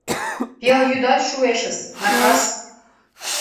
Пелйӱдат шуэшыс, накас!